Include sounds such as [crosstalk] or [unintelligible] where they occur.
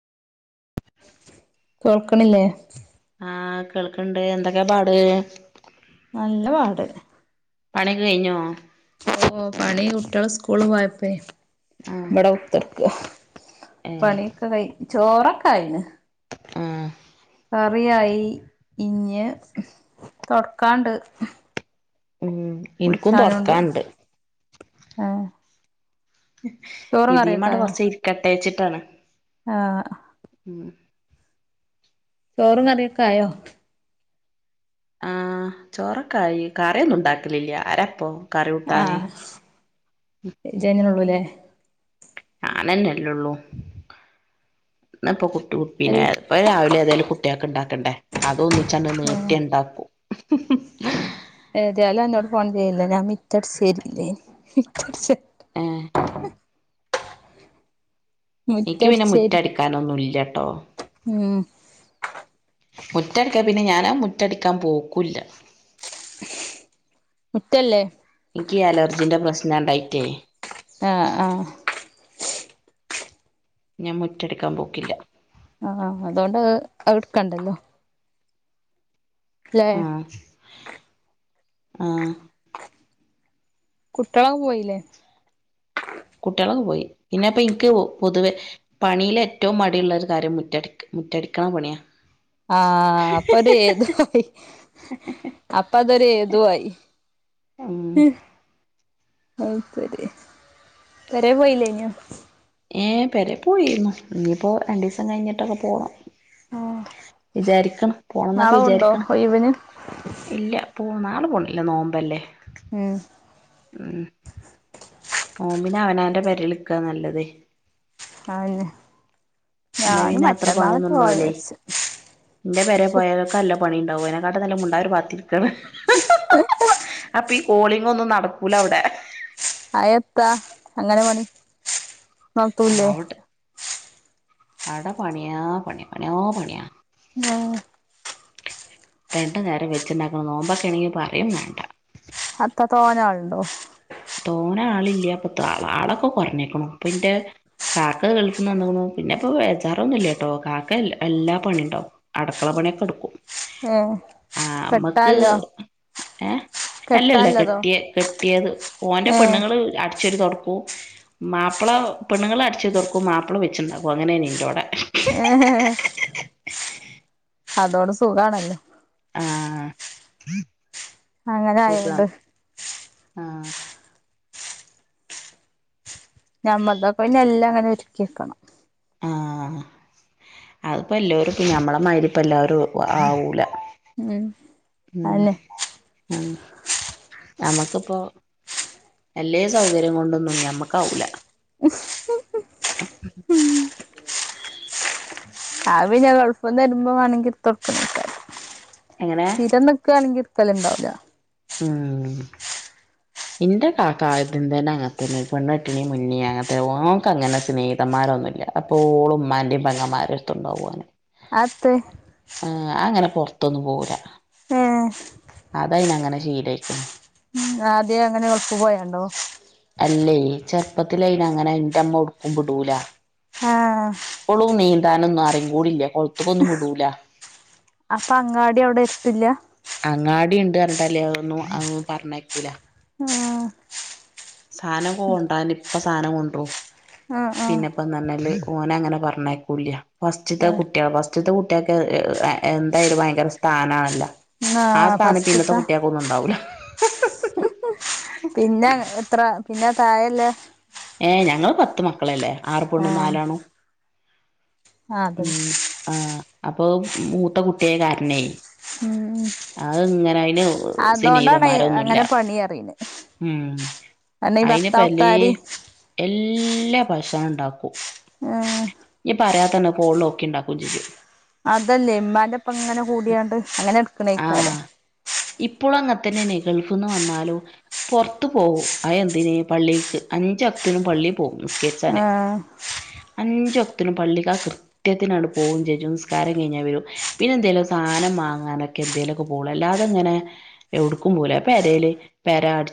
കേൾക്ക്ണില്ലേ ആഹ് കേൾക്ക്ണ്ട് എന്തൊക്കെ പാട് നല്ല പാട് പണിയൊക്കെ കഴിഞ്ഞോ ഓ പണി കുട്യള് സ്കൂള് പോയപ്പേ ആഹ് ഇവിടെ കുത്തർക്ക ഏഹ് പണിയൊക്കെ കൈ ചോറൊക്കെ ആയിണ് ആഹ് കറിയായി ഇഞ്ഞ് തൊടക്കാണ്ട് ഉം എനിക്കും കുളിച്ചാനുണ്ട് തൊടക്കാണ്ട് ആഹ് ഇതീ മട് കൊറച്ച് ഇരിക്കട്ടെ ച്ചിട്ടാണ് ആഹ് ചോറും കറിയൊക്കെ ആയോ ആഹ് ചോറൊക്കായി കറിയൊന്നും ഉണ്ടാക്കലില്ല ആരാപ്പം ആഹ് ജെന്നെള്ളൂല്ലേ ഞാനന്നെല്ലെള്ളൂ ഇന്ന്പ്പം കു ഉം എൽ പിന്നെ പ്പ രാവിലെ ഏതായലും കുട്യേക്ക് ഇണ്ടാക്കണ്ടേ അതു ഒന്നിച്ചാണ്ട് ഏഹ് നീട്ടി ഇണ്ടാക്കും [inaudible] ഏതായാലും അന്നോട് ഫോൺ ചെയ്യല്ലേ ഞാൻ മി റ്റടിച്ചേരീല്ലേനി ഏഹ് [unintelligible] ഇൻക്ക് പിന്നെ മുറ്റടിച്ചേരി മുറ്റടിക്കാനൊ ന്നുംല്ലട്ടോ ഉം മുറ്റടിക്കാ പിന്നെ ഞാനാ മുറ്റടിക്കാൻ പോക്കൂല്ല മുറ്റല്ലേ ഇൻക്കി ഈ അലർജിന്റെ പ്രശ്ന ഇണ്ടായിട്ടെ ആ ആ ഞാൻ മുറ്റടിക്കാൻ പോക്കില്ല ആഹ് അതുകൊണ്ട് അത്ട്ക്കണ്ടല്ലോ ആഹ് ആഹ് കുട്ടികളൊ പോയില്ലേ കുട്ടിളൊക്കെ പോയി പിന്നെ പ്പം ഇൻക്ക് പൊതുവെ പണിയില് ഏറ്റവും മടിയുള്ള ഒരു കാര്യം മുറ്റടിക്ക മുറ്റടിക്ക്ണ പണിയ ആഹ് അപ്പൊര് ഏതു ആയി അപ്പ അതൊരു ഏതു ആയി ഉം അത്ശരി പെരേല് പോയില്ലേ ന്യോ ഏ പേരെ പോയിരുന്നു ഇനിയിപ്പോ രണ്ടീസം കഴിഞ്ഞിട്ടൊക്കെ പോണം വിചാരിക്കണം പോണം ന്നൊക്കെ നാളെ പോണ്ടോ വിചാരിക്കണം ഒഴിവിന് ഇല്ല പോ ആ നാളെ പോണില്ലേ നോമ്പ് അല്ലേ ഉം ഉം നോമ്പിനു അവനാന്റെ പരേൽ നിക്ക നല്ലത് [unintelligible] എന്നാ പിന്നെ അത്ര പണിയൊന്നും മറ്റന്നാളൊക്കെ പോവാ ഇണ്ടാവൂല്ലേ വിചാരിച്ച് എന്റെ പേരെ ശ്ശെ പോയാലൊക്കെ അല്ല പണി ഉണ്ടാവുംന ട്ട്നല്ലത് മിണ്ടാതൊരു ഭാഗത്തിരിക്കണ് അപ്പ ഈ കോളിങ് ഒന്നും നട ക്കൂല അവിടെ ആ എത്താ അങ്ങനെ മണി നിർത്തൂല്ലേ ആവട്ടെ അട പണിയാ പണിയ പണിയോ പണിയാ ആ രണ്ടു നേരം വെച്ചിണ്ടാക്കണം നോമ്പൊക്കൊണെങ്കി പറയും വേണ്ട അത്ര [unintelligible] താള് താളൊക്കെ കുറഞ്ഞേക്കണു ഇപ്പന്റെ കാക്ക ഗൾഫിന്ന് വന്നേക്കണു പിന്നെ ഇപ്പ വേജാറൊന്നും ഇല്ലട്ടോ കാക്ക എല്ലാ പണി ഇണ്ടാവും അടക്കള പണിയൊക്കെ എടുക്കും ഇം ആ അമ്മക്ക് എ അല്ലല്ല കെട്ടാല്ലതോ കെട്ടിയ കെട്ടിയത് ഓൻ ന്റെ ഏഹ് പെണ്ണുങ്ങള് അ ടിച്ചിട്ട് തൊടക്കു മാപ്പിള പെണ്ണുങ്ങള് അടിച്ച് തൊടക്കും മാപ്പള വെച്ച്ണ്ടാക്കും അങ്ങനെയാണ് എന്റോട [unintelligible] അതോട് സുഖാണല്ലോ ആ അങ്ങന സുഖം ആയോണ്ട് ആ ഞമ്മക്കൊക്കെ പിന്നെ എല്ലാം അങ്ങനെ ഒരുക്കി വക്കണം ആ അതിപ്പോ എല്ലാവരും ഇപ്പ നമ്മളമായിരി ഇപ്പം എല്ലാവരും ആവൂല്ല ഉം അതെ ആ നമ്മക്കിപ്പോ അല്ലേ സൗകര്യം കൊണ്ടൊന്നും ഞമ്മക്കാവൂല്ല ആവി ഞാൻ ഗൾഫിൽന്ന് വരുമ്പോ വേണെങ്കി ഇടുത്തു കൊടുക്കാ എങ്ങനെ സ്ഥിരം നിക്കുവാണെങ്കി [unintelligible] ഉം എന്റെ കാക്ക ആദ്യം തന്നെ അങ്ങനത്തന്നെണ് പെണ്ണുകെട്ടാണമുന്നെ അങ്ങനതന്നെ ഓക്ക്ങ്ങനെ സ്നേഹിതം മാരൊന്നു ഇല്ല എപ്പോളും ഉമ്മാന്റെയും പെങ്ങമാരെ എടുത്തുണ്ടാവും ഓന് [unintelligible] പൊറത്തൊന്നും പോകൂല്ല ഏ ഏ അയിനങ്ങനെ ശീലായിക്കണ് ആദ്യം അങ്ങനെ പോയണ്ടോ അല്ലേ ചെറുപ്പത്തിലയിന് അങ്ങനെ ന്റെ അമ്മ എവ്ടെക്കും വിടൂലാ ആ താനൊന്നും അറിയും കൂടില്ല പൊറത്തെക്കൊന്നും വിടൂലാ അപ്പൊ അങ്ങാടി അവിടെ എത്തില്ല [unintelligible] പറഞ്ഞയക്കൂല ആ സാനം കോൺണ്ടാന് ഇപ്പോ സാനം കൊണ്ടോവും ആഹ് ആഹ് പിന്നെപ്പ എന്ത പറഞ്ഞാല് ഓനെ അങ്ങനെ പറഞ്ഞയക്കൂല്ല ഫസ്റ്റ്ത്തെ ഏഹ് കുട്ടിയാ ഫസ്റ്റ്ത്തെ കുട്ടിയക്ക് എന്തായാലും ഭയങ്കര സ്ഥാനാണല്ല ആ ആഹ് സ്ഥാനം ഇന്നത്തെ ഫസ്റ്റ്ത്തെ കുട്ടികൾക്ക് ഒന്നും ഇണ്ടാവൂല്ല പിന്നെ എത്ര പിന്നെ തായല്ല ഏ ഞങ്ങള് പത്ത് മക്കളല്ലേ ആറ് പെണ്ണും ആഹ് നാലാണ്ണും ആഹ് ഉം അതന്നെ ആ അപ്പൊ മൂത്ത കുട്ടിയായ കാരണെ ഉം ഉം അത് ഇങ്ങനെ അയിന് അതോണ്ടാണ് സനേഹിതന്മാരൊന്നുല്ല അങ്ങനെ പണി അറിണെ ഉം കാരണം ഈ അയിന്പ്പല്ലി ഭർത്താക്കന്മാര് എല്ലാ ഭശണം ഉണ്ടാക്കും ഉം പറയാത്ത തന്നെ പോളും ഒക്കെ ഉണ്ടാക്കും ചെയ്ച്ചു അതല്ലേ എമാന്റെപ്പ ഇങ്ങനെ കൂടിയാണ്ട് അങ്ങനെ എടുക്കണേക്കാര ആഹ് ഇപ്പോളും അങ്ങ തന്നെ ഗൾഫിന്ന് വന്നാലോ പുറത്തു പോവും ആ എന്തിനേ പള്ളിക്ക് പള്ളി പോവും നിസ്കേരിച്ചാന്ന് ആഹ് അഞ്ച ത്തിനും പള്ളിക്ക കൃത്യത്തിനാണ് പോകും ചേച്ചു നിസ്കാരം കഴിഞ്ഞാൽ വരും പിന്നെ എന്തേലും സാനം വാങ്ങാനൊക്കെ എന്തേലൊക്കെ പോള്ളു ല്ലാതെങ്ങനെ എവിടുക്കും പോലെ പേരല് പരഅ